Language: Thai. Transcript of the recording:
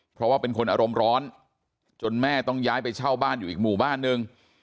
เพราะว่าเป็นคนอารมณ์ร้อนจนแม่ต้องย้ายไปเช่าบ้านอยู่อีกหมู่บ้านนึง